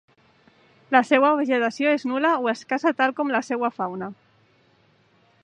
La seua vegetació és nul·la o escassa tal com la seua fauna.